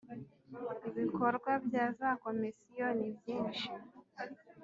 ibikorwa bya za komisiyo ni byinshi